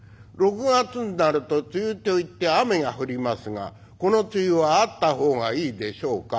「６月んなると梅雨といって雨が降りますがこの梅雨はあった方がいいでしょう